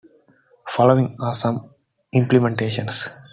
Following are some implementations.